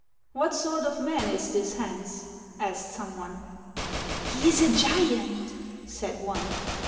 " What sort of man is this Hans ?" asked some one. " He is a giant," said one.